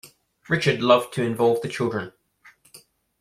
Richard loved to involve the children.